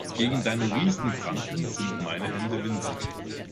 Gegen deine Riesen-Pranken sind meine Hände winzig.